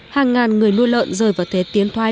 hàng ngàn người nuôi lợn rời vào thế tiến thoái